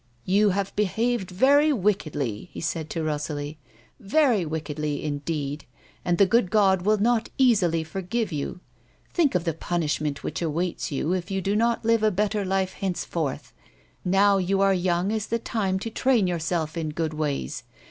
" You have behaved very wickedly," he said to Rosalie, " very wickedly indeed, and the good God will not easily forgive you. Think of the punishment which awaits you if you do not live a better life henceforth. Now you are young is the time to train yourself in good ways.